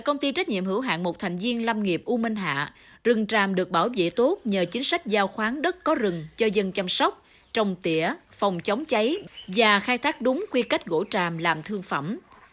công ty trách nhiệm hữu hạng một thành viên lâm nghiệp u minh hạ rừng tràm được bảo vệ tốt nhờ chính sách giao khoáng đất có rừng cho dân chăm sóc trồng tỉa phòng chống cháy và khai thác đúng quy cách gỗ tràm làm thương phẩm